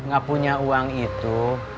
gak punya uang itu